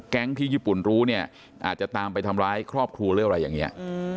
ที่ญี่ปุ่นรู้เนี่ยอาจจะตามไปทำร้ายครอบครัวหรืออะไรอย่างนี้